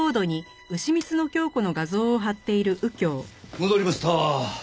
戻りました。